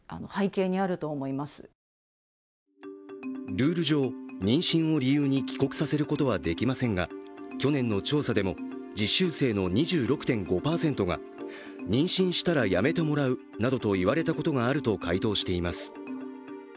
ルール上、妊娠を理由に帰国させることはできませんが、去年の調査でも実習生の２６．５％が妊娠したら辞めてもらうなどと言われたことがあると回答しています。